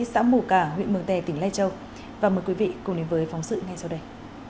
xã mù cả huyện mường tè tỉnh lai châu và mời quý vị cùng đến với phóng sự ngay sau đây